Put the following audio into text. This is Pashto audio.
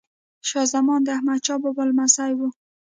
شاه زمان د احمد شاه بابا لمسی وه.